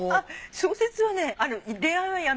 小説はね。